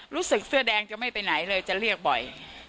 เสื้อแดงจะไม่ไปไหนเลยจะเรียกบ่อย